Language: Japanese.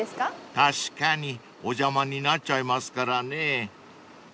［確かにお邪魔になっちゃいますからね］